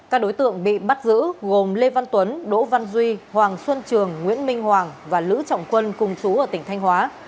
các đối tượng bị bắt giữ gồm lê văn tuấn đỗ văn duy hoàng xuân trường nguyễn minh hoàng và lữ trọng quân cùng chú ở tỉnh thanh hóa